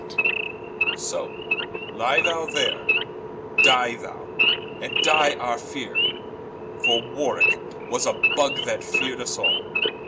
Edw. So, lye thou there: dye thou, and dye our feare, For Warwicke was a Bugge that fear'd vs all.